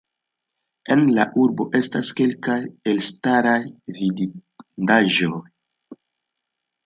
En la urbo estas kelkaj elstaraj vidindaĵoj.